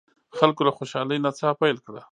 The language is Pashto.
خلکو له خوشالۍ نڅا پیل کړه.